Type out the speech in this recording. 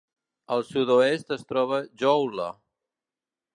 Al sud-oest es troba Joule.